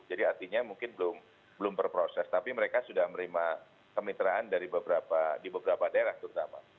jadi artinya mungkin belum berproses tapi mereka sudah menerima kemitraan dari beberapa di beberapa daerah terutama